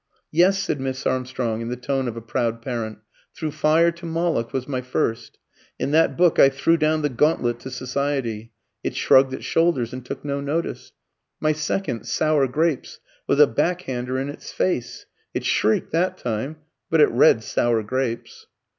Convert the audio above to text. "Yes," said Miss Armstrong in the tone of a proud parent, "'Through Fire to Moloch' was my first. In that book I threw down the gauntlet to Society. It shrugged its shoulders and took no notice. My second, 'Sour Grapes,' was a back hander in its face. It shrieked that time, but it read 'Sour Grapes.'"